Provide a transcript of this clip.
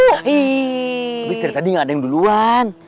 tapi setelah tadi gak ada yang duluan